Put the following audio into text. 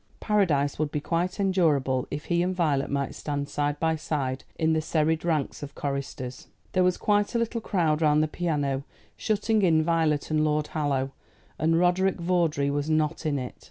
Paradise would be quite endurable if he and Violet might stand side by side in the serried ranks of choristers. There was quite a little crowd round the piano, shutting in Violet and Lord Hallow, and Roderick Vawdrey was not in it.